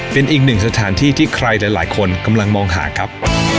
เป็นอีกหนึ่งสถานที่ที่ใครหลายคนกำลังมองหาครับ